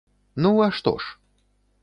Ну, а што ж?